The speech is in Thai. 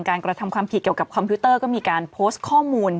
กระทำความผิดเกี่ยวกับคอมพิวเตอร์ก็มีการโพสต์ข้อมูล